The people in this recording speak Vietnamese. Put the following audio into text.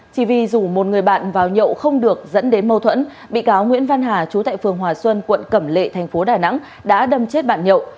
chỉ vì rủ một người bạn vào nhậu không được dẫn đến mâu thuẫn bị cáo nguyễn văn hà chú tại phường hòa xuân quận cẩm lệ thành phố đà nẵng đã đâm chết bạn nhậu